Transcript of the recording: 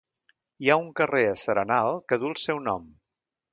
Hi ha un carrer a s'Arenal que du el seu nom.